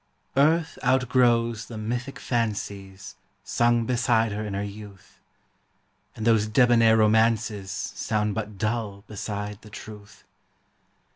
ARTH outgrows the mythic fancies Sung beside her in her youth ; And those debonair romances Sound but dull beside the truth.